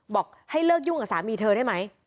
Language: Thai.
บอกให้เลิกยุ่งกับสามีเธอได้ไหม